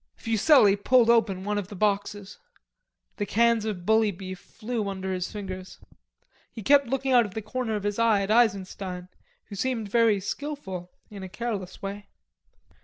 Fuselli pulled open one of the boxes. The cans of bully beef flew under his fingers. He kept looking out of the corner of his eye at Eisenstein, who seemed very skilful in a careless way.